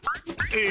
え？